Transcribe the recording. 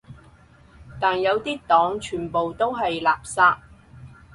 但有啲黨全部都係垃圾